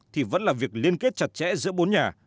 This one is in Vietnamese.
thì vẫn là việc liên kết chặt chẽ giữa bốn nhà